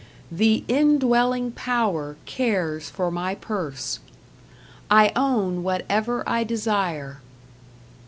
The Indwelling Power cares for my purse. I own whatever I desire.